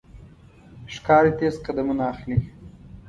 ښکاري تیز قدمونه اخلي.